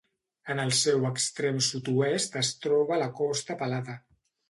En el seu extrem sud-oest es troba la Costa Pelada.